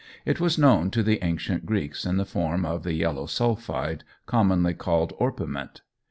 It was known to the ancient Greeks in the form of the yellow sulphide, commonly called orpiment.